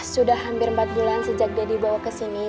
sudah hampir empat bulan sejak daddy bawa kesini